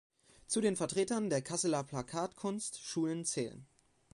Zu den Vertretern der Kasseler Plakatkunst Schule zählen